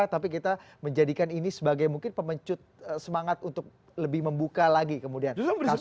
tapi kita menjadikan ini sebagai mungkin pemencut semangat untuk lebih membuka lagi kemudian kasus ini